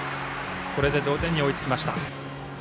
これで同点に追いつきました。